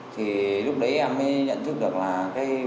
thì lúc đấy em mới nhận thức được là cái việc của mình làm là sai phúc lợi